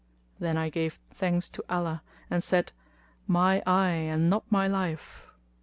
Then I gave thanks to Allah and said, "My eye and not my life!"